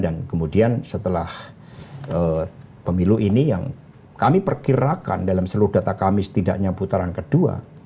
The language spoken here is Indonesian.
dan kemudian setelah pemilu ini yang kami perkirakan dalam seluruh data kami setidaknya putaran kedua